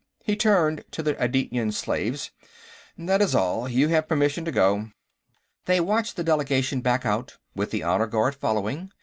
He turned to the Adityan slaves. "That is all. You have permission to go." They watched the delegation back out, with the honor guard following.